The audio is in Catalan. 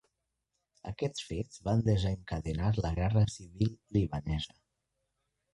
Aquests fets van desencadenar la Guerra Civil Libanesa.